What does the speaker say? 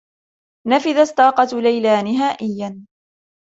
نفذت طاقة ليلى نهائيّا.